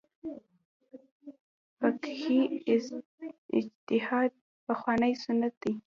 فقهي اجتهاد پخوانی سنت دی.